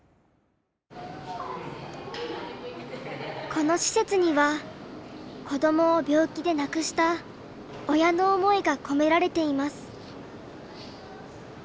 この施設には子どもを病気で亡くした親の思いが込められています。